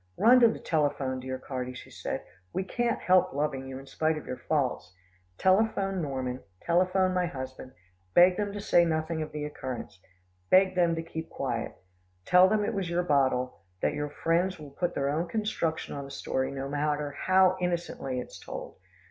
"Run to the telephone, dear Carty," she said, "we can't help loving you, in spite of your faults. Telephone Norman, telephone my husband beg them to say nothing of the occurrence. Beg them to keep quiet. Tell them it was your bottle, that your friends will put their own construction on the story, no matter how innocently it is told.